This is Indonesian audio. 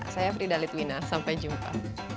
saya fridhali twina sampai jumpa